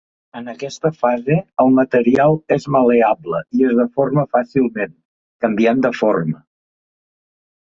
En aquesta fase el material és mal·leable i es deforma fàcilment, canviant de forma.